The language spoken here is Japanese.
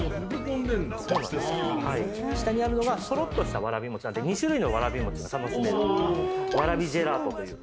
下にあるのがとろっとしたわらび餅なんで２種類のわらび餅が楽しめるわらびジェラートという。